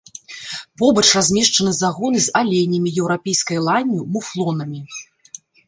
Побач размешчаны загоны з аленямі, еўрапейскай ланню, муфлонамі.